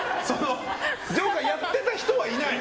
ジョーカーやってた人はいない！